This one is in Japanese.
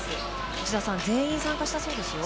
内田さん全員参加したそうですよ。